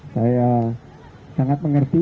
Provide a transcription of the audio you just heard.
saya sangat mengerti